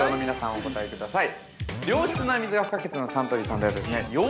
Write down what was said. お答えください。